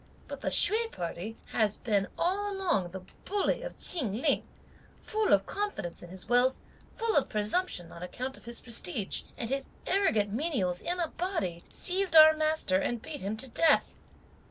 But the Hsüeh party has been all along the bully of Chin Ling, full of confidence in his wealth, full of presumption on account of his prestige; and his arrogant menials in a body seized our master and beat him to death.